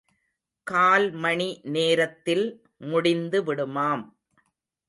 கால்மணி நேரத்தில் முடிந்து விடுமாம்.